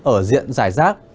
ở diện giải rác